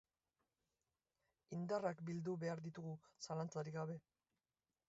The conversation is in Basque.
Indarrak bildu behar ditugu, zalantzarik gabe.